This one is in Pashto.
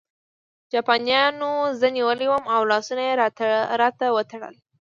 جاپانیانو زه نیولی وم او لاسونه یې راته وتړل